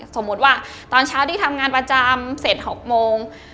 สมมุติว่าตอนเช้าที่ทำงานประจำเสร็จ๖โมง